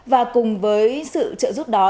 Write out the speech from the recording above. và cùng với sự trợ giúp đó